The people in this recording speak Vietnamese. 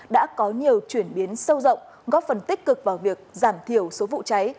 đã có nhiều chuyển biến sâu rộng góp phần tích cực vào việc giảm thiểu số vụ cháy